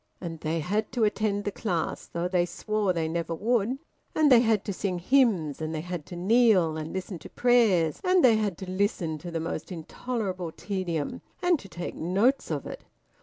And they had to attend the class, though they swore they never would, and they had to sing hymns, and they had to kneel and listen to prayers, and they had to listen to the most intolerable tedium, and to take notes of it.